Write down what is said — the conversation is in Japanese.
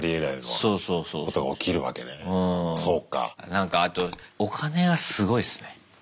なんかあとお金がすごいっすね。